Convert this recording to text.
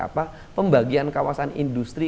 apa pembagian kawasan industri